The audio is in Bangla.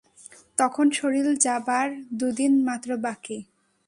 তখন শরীর যাবার দু-দিন মাত্র বাকী।